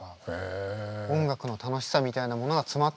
音楽の楽しさみたいなものが詰まってる一曲。